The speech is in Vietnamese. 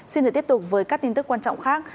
xin được tiếp tục với các tin tức quan trọng khác